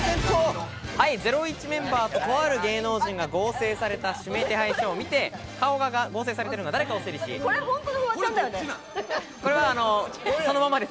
ゼロイチメンバーととある芸能人が合成された指名手配書を見て、顔が合成されてるのが誰かを推理しこれは、そのままです。